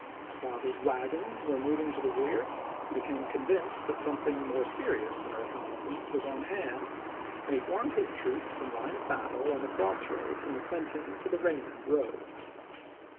While his wagons were moving to p. 263.'' the rear he became convinced that something more serious than a reconnaissance was on hand, and he formed his troops in line of battle on the cross road from the Clinton to the Raymond road.